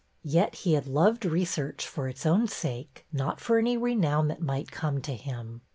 Yet he had loved research for its own sake, not for any renown that might come to him.